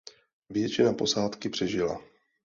Většina posádky přežila.